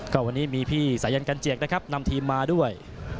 ก็วันนี้มีพี่สายันกันเจียกนะครับนำทีมมาด้วย